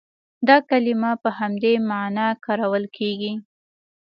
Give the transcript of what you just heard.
دا کلمه په همدې معنا کارول کېږي.